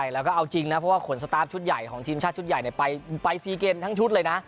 แล้วก็เอาจริงนะเพราะว่าขนสตาร์ฟชุดใหญ่ของทีมชาติชุดใหญ่ไป๔เกมทั้งชุดเลยนะ